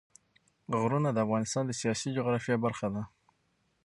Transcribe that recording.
غرونه د افغانستان د سیاسي جغرافیه برخه ده.